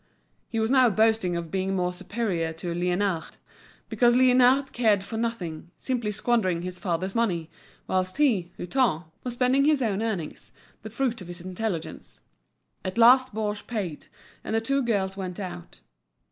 He was now boasting of being more superior to Liénard, because Liénard cared for nothing, simply squandering his father's money, whilst he, Hutin, was spending his own earnings, the fruit of his intelligence. At last Baugé paid, and the two girls went out.